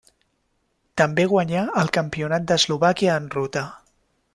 També guanyà el Campionat d'Eslovàquia en ruta.